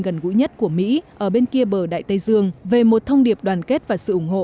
gần gũi nhất của mỹ ở bên kia bờ đại tây dương về một thông điệp đoàn kết và sự ủng hộ